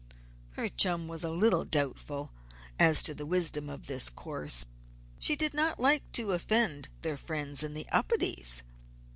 Her chum was a little doubtful as to the wisdom of this course. She did not like to offend their friends in the Upedes.